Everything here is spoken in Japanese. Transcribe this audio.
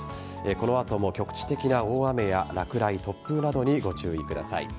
この後も局地的な大雨や落雷突風などにご注意ください。